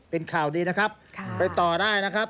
เป็นข่าวดีนะครับไปต่อได้นะครับ